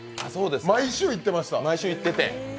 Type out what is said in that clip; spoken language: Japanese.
毎週行ってました。